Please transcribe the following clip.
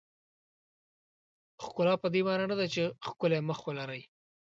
ښکلا پدې معنا نه ده چې ښکلی مخ ولرئ.